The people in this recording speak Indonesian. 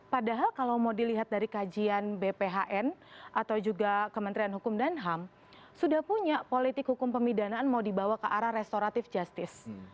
padahal kalau mau dilihat dari kajian bphn atau juga kementerian hukum dan ham sudah punya politik hukum pemidanaan mau dibawa ke arah restoratif justice